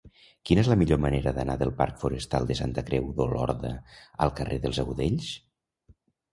Quina és la millor manera d'anar del parc Forestal de Santa Creu d'Olorda al carrer dels Agudells?